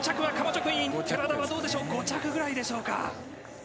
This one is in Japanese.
寺田はどうでしょう、５着ぐらいでしょうか。